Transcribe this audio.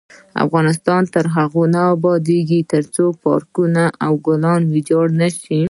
افغانستان تر هغو نه ابادیږي، ترڅو پارکونه او ګلونه ویجاړ نشي.